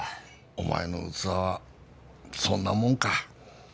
お前の器はそんなもんか。